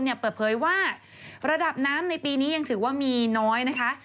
เปิดเผยว่าระดับน้ำในปีนี้ยังถือว่ามีน้อยนะคะ